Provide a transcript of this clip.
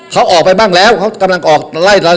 เขาออกไปบ้างแล้วเขากำลังออกไล่ตอน